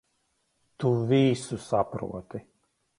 Tu visu saproti.